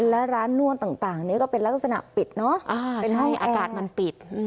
และร้านนวดต่างต่างเนี้ยก็เป็นลักษณะปิดเนอะอ่าใช่อากาศมันปิดอืม